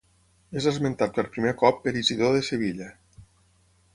És esmentat per primer cop per Isidor de Sevilla.